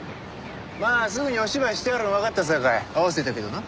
まあすぐにお芝居してはるのわかったさかい合わせたけどな。